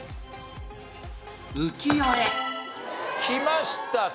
きました。